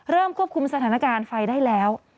ควบคุมสถานการณ์ไฟได้แล้ว